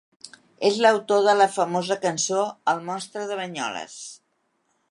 És l'autor de la famosa cançó El monstre de Banyoles.